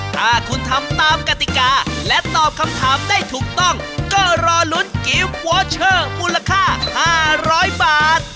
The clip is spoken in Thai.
ถ้าคุณทำตามกติกาและตอบคำถามได้ถูกต้องก็รอลุ้นกิฟต์วอเชอร์มูลค่า๕๐๐บาท